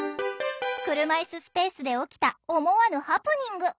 車いすスペースで起きた思わぬハプニング。